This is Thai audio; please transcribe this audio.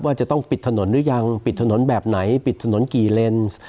จะต้องปิดถนนหรือยังปิดถนนแบบไหนปิดถนนกี่เลนส์